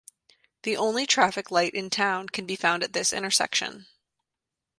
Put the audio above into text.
The only traffic light in town can be found at this intersection.